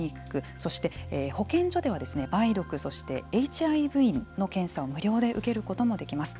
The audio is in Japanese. そして保健所では梅毒、そしてＨＩＶの検査を無料で受けることもできます。